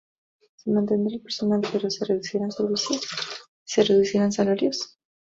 Se mantendrá el personal pero se reducirán servicios?, se reducirán salarios?